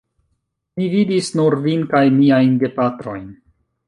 Mi vidis nur vin kaj miajn gepatrojn.